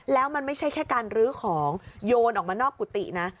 แล้วมันไม่ใช่แค่การลื้อของโยนออกมานอกกุฏินะ